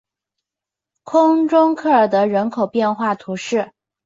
空中科尔德人口变化图示